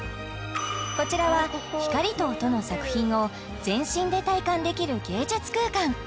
こちらは光と音の作品を全身で体感できる芸術空間